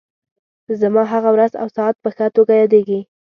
زما هغه ورځ او ساعت په ښه توګه یادېږي.